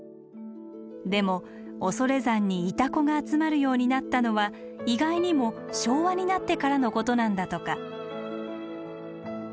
でも恐山にイタコが集まるようになったのは意外にも昭和になってからのことなんだとか。